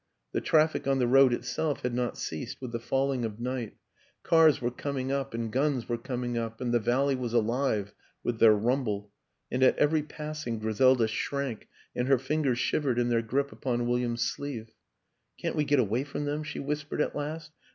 The traffic on the road it self had not ceased with the falling of night; cars were coming up and guns were coming up and the valley was alive with their rumble and at every passing Griselda shrank and her fingers shivered in their grip upon William's sleeve. " Can't we get away from them?" she whis pered at last.